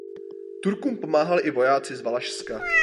Turkům pomáhali i vojáci z Valašska.